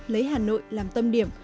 lấy hà nội làm tâm điểm